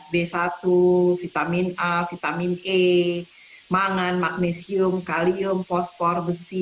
b satu vitamin a vitamin e mangan magnesium kalium fosfor besi